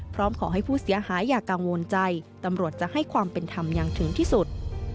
พร้อมขอให้ผู้เสียหายอย่ากังวลใจตำรวจจะให้ความเป็นธรรมอย่างถึงที่สุด